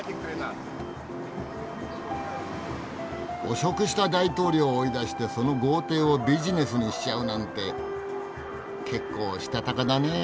汚職した大統領を追い出してその豪邸をビジネスにしちゃうなんて結構したたかだねえ。